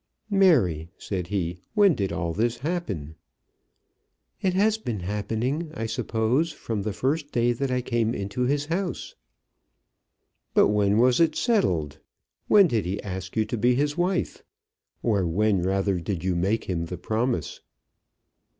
"Mary," said he, "when did all this happen?" "It has been happening, I suppose, from the first day that I came into his house." "But when was it settled? When did he ask you to be his wife? Or when, rather, did you make him the promise?"